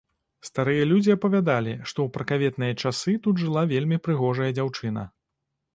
Старыя людзі апавядалі, што ў пракаветныя часы тут жыла вельмі прыгожая дзяўчына.